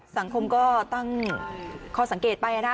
สังคมก็ตั้งข้อสังเกตไปนะ